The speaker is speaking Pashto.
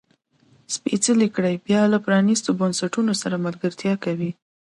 سپېڅلې کړۍ بیا له پرانیستو بنسټونو سره ملګرتیا کوي.